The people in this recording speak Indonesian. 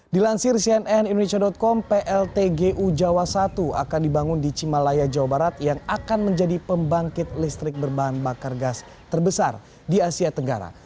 dilansir cnn indonesia com pltgu jawa i akan dibangun di cimalaya jawa barat yang akan menjadi pembangkit listrik berbahan bakar gas terbesar di asia tenggara